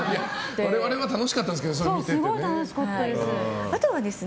我々は楽しかったんですけどそれを見ててね。